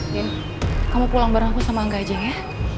din kamu pulang bareng aku sama angga aja ya